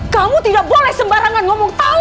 kamu tidak boleh sembarangan ngomong k goddess